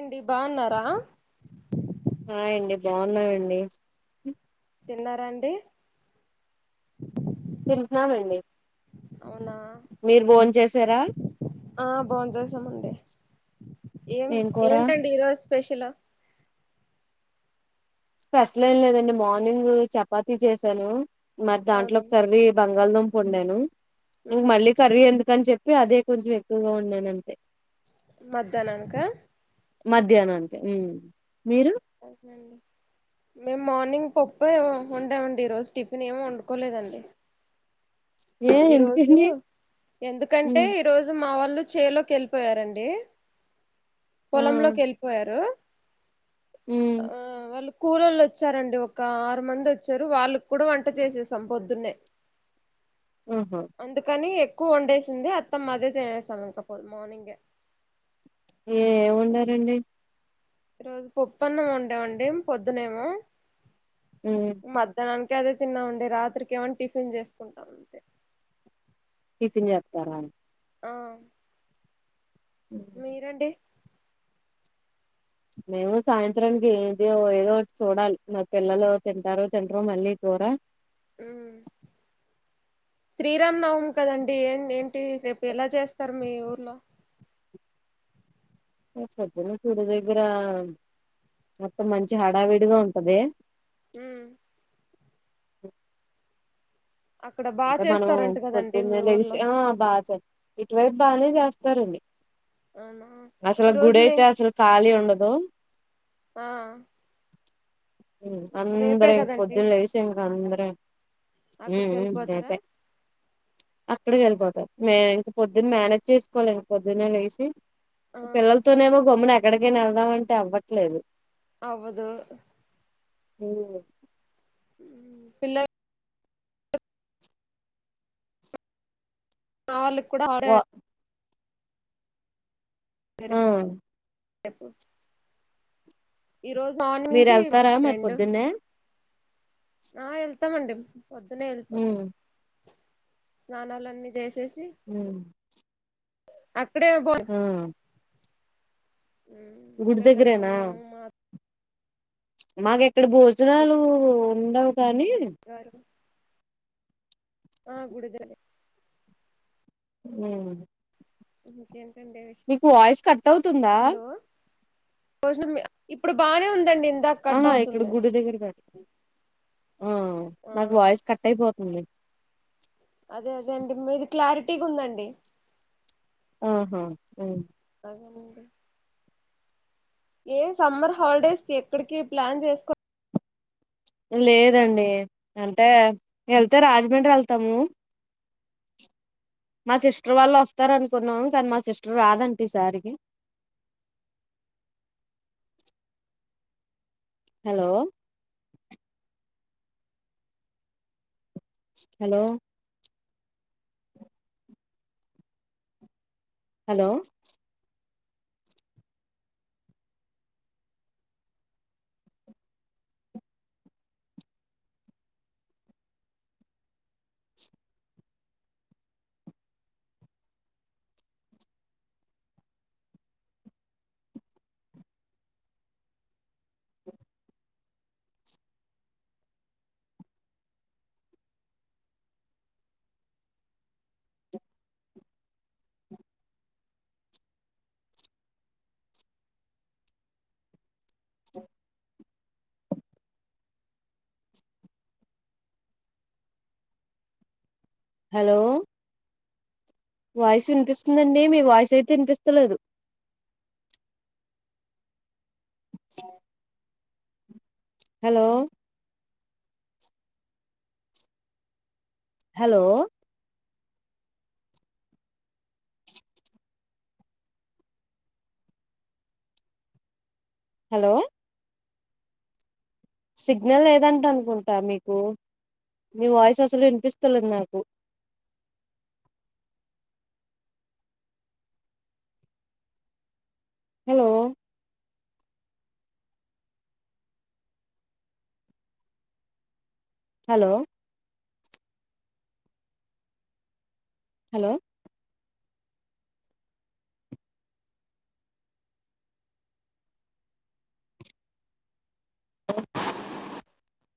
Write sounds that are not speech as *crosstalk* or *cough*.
ఏండి బాగున్నారా హాయ్ అండి బాగున్నా అండి తిన్నారా అండి తింటున్నామండి అవునా మీరు భోన్ చేసారా ఆ భోం చేసామండి ఏం ఏంటండి ఈ రోజు స్పెషలు స్పెషల్ ఏం లేదండి మార్నింగ్ చపాతీ చేసాను మరి అవును దాంట్లోకి కర్రీ బంగ లదుంప వండాను ఇంక మళ్ళీ కర్రీ ఎందు కని చెప్పి అదే కొంచెం ఎక్కువగా వండాను అంతే మధ్యాహ్నానికా మధ్యాహ్నానికి హ్మ్ మీరు మేము మార్నింగ్ పప్పు ఏమో వండామండి ఈరోజు టిఫిన్ ఏం వండుకోలేదండి ఏ ఈ రోజు ఎందుకండి ఎందుకంటే ఉమ్ ఈరోజు మా వాళ్ళు ళ్ళు చేలోకి వెళ్ళిపోయారండి ఆ పొలంలోకి వెళ్ళిపోయారు ఆ ఉమ్ వాళ్ళ కూలొల్లు వచ్చారండి ఒక ఆరు మంది వచ్చారు వాళ్ళక్కూడా వంట చేసేసాం పొద్దున్నే. ఆహా అందుకని క్కువ వండేసింది అత్తమ్మ అదే తినేసాం ఇంక మార్నింగే ఏం వండారండి ఈ రోజు పప్పన్నం వండామండి పొద్దునేేమో ఉమ్ మద్దానం కే అడుగుతున్నామండి రాత్రికి ఏమన్నా టిఫిన్ చేసుకుంటాం అంతే టిఫిన్ చేత్తారా ఆ మీరండి మేమూ సాయంత్రానికి ఏదో ఏదో ఓటి చూడాలి నా పిల్లలు తింటారో తినరో మళ్ళీ కూర హ్మ్ శ్రీరాం నవమి కదండి ఏమ్ ఏంటి రేపు ఎలా చేస్తారు మీ ఊర్లో *unintelligible* దగ్గర మొత్తం మంచి హడావిడిగా ఉంటది. హ్మ్ అక్కడ బాగా అంటే మనం చేస్తారంట కదండి పొద్దున్న మీ లేసి ఊర్లో ఆ బాగా ఇటువైపు బాగానే చేస్తాం స్తా రండి అవునా అసలు ఈ రోజు గుడి మే అయితే అసలు ఖాళీ ఉండదు ఆ హ్మ్ రేపే అందరం ఇంక కదండి పొద్దున్ లెగ్స్ ఇంక అందరు హ్మ్ అక్కడికి వెళ్ళిపోత్ అయ్పోయి అక్కడికి వెళ్ళిపోతారు మే ఇంత పొద్దున్న మేనేజ్ చేసుకోలేం పొద్దున్నే లెగ్సి ఆ పిల్లల్తోనే ఏమో గమ్మునే ఏక్కడికైన వెళ్దామ్ అంటే అవ్వట్లేదు అవ్వదు హ్మ్ పిల్లల్ మావాళ్లి ఇప్ కూడా ఆడే వా ఆ *unintelligible* మార్నింగ్ మీరు నుంచి మా వెళ్తారా మరి ఫ్రెండ్ పొద్దున్నే ఆ వెళ్తామండి పొద్దునే ఉమ్ వెళ్ళిపోతాం స్నానాలన్నీ చేసేసి హ్మ్ అ ఇప్పుడే బోన్ గుడి దగ్గరేనా మేము మా అత్త మాకెక్కడ భోజనాలు ఉండవ్ కానీ గారు ఆ గుడిగన్నే ఉం ఇంకె మీకు వాయిస్ కట్ అవుతుందా భోజనం ఇప్పుడు బానే ఉందండి ఇందాక కట్ ఆహా ఇక్కడ అవుతుంది గుడి దగ్గర పెట్ ఆ ఆ నాకు వాయిస్ కట్ అయిపో తుంది అదే అదే అండి మీది క్లారిటీగుందండి ఆహా ఉ నండి ఏ సమ్మర్ హాలిడేస్కి ఎక్కడికి ప్లాన్ చేసుకో లేదండి అంటే వెళ్తే రాజమండ్రి వెళ్తాము మా సిస్టర్ వాళ్ళు వస్తారు అనుకున్నాము కానీ మా సిస్టర్ రాదంట ఈసారికి hello hello hello hello voice వినిపిస్తుందండి మీ వాయిసు అయితే వినిపిస్తలేదు హలో హలో హలో సిగ్నల్ లేదంట అనుకుంటా మీకు మీ వాయిస్ అసలు వినిపిస్తులేదు నాకు హలో హలో హలో *inaudible*